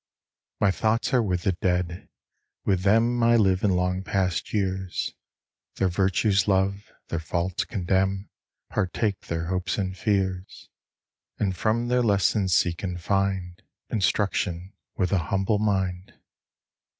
My thoughts are with the Dead; with them I live in long past years, Their virtues love, their faults condemn, Partake their hopes and fears, And from their lessons seek and find Instruction with an humble mind.